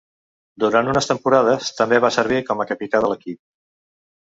Durant unes temporades, també va servir com a capità de l'equip.